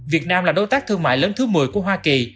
việt nam là đối tác thương mại lớn thứ một mươi của hoa kỳ